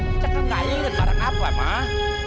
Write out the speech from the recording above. kita kan enggak ngelihat barang apa mak